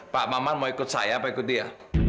pak maman mau ikut saya apa ikut dia